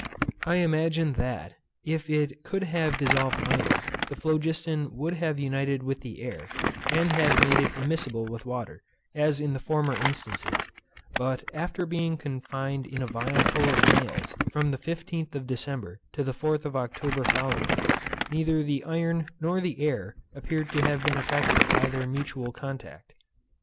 I imagined that, if it could have dissolved iron, the phlogiston would have united with the air, and have made it immiscible with water, as in the former instances; but after being confined in a phial full of nails from the 15th of December to the 4th of October following, neither the iron nor the air appeared to have been affected by their mutual contact.